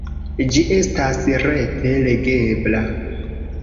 Ĝi estas rete legebla.